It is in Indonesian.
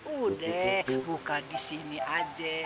udah buka disini aja